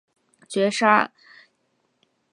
绝杀，减灶马陵自刎，成竖子矣